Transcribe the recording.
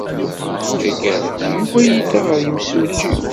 Tagara, Yuba yedda ɣer yimsujji.